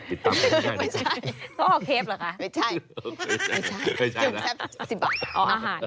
ติดตามกันให้นะครับไม่ใช่ไม่ใช่จุ่มแซ่บ๑๐บาทอ๋ออาหาร